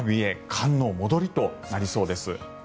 寒の戻りとなりそうです。